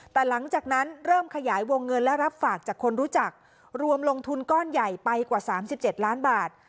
แต่หลังจากนั้นเริ่มขยายวงเงินและรับฝากจากคนรู้จักรวมลงทุนก้อนใหญ่ไปกว่า๓๗ล้านบาท